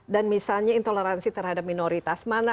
dan misalnya intoleransi terhadap minoritas mana